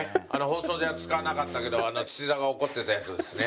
放送では使わなかったけど土田が怒ってたやつですね。